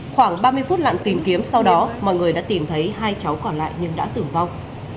khoảng ba mươi phút lặn tìm kiếm sau đó mọi người đã tìm thấy hai cháu còn lại nhưng đã tử vong